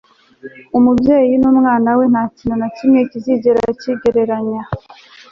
umubyeyi numwana we, ntakintu na kimwe kizigera kigereranya